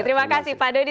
terima kasih pak dodi